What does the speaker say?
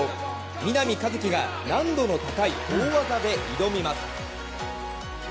南一輝が難度の高い大技で挑みます。